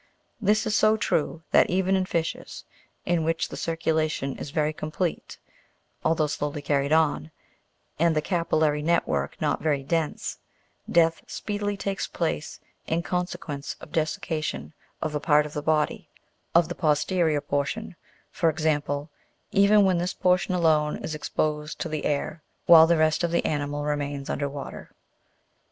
This is so true, that even in fishes, yi which the circulation is very complete, although slowly carried on, and the capillary net work not very dense, death speedily takes place in consequence of dessication of a part of the body, of the posterior portion, for example, even when this portion alone is exposed to the air, while the rest of the animal remains under water.